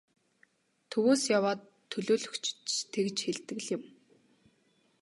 Төвөөс яваа төлөөлөгчид ч тэгж хэлдэг л юм.